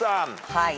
はい。